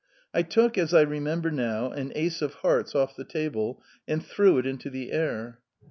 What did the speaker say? I took, as I remember now, an ace of hearts off the table and threw it into the air.